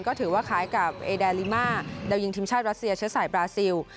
ก็ถือว่าคล้ายกับเอแดลิมาดาวยิงทีมชาติรัสเซียเชื้อสายบราซิล